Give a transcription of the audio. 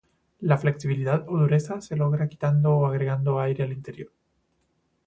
La flexibilidad o dureza se logra quitando o agregando aire al interior.